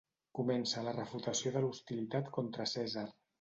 Comença la refutació de l'hostilitat contra Cèsar.